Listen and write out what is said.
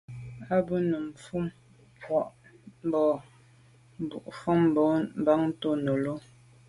A be num manwù mars bo avril mban to’ nelo.